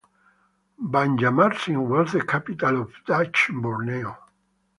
Banjarmasin was the capital of Dutch Borneo.